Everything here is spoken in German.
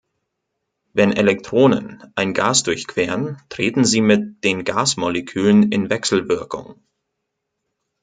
Wenn Elektronen ein Gas durchqueren, treten sie mit den Gasmolekülen in Wechselwirkung.